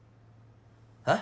えっ？